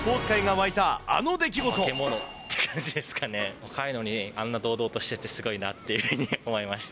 若いのにあんな堂々としててすごいなっていうふうに思いました。